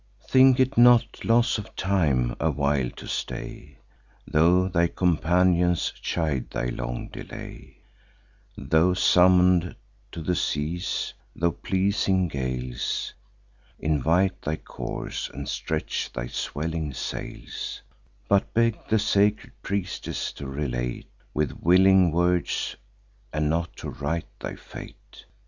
"'Think it not loss of time a while to stay, Tho' thy companions chide thy long delay; Tho' summon'd to the seas, tho' pleasing gales Invite thy course, and stretch thy swelling sails: But beg the sacred priestess to relate With willing words, and not to write thy fate.